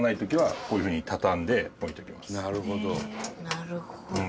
「なるほど」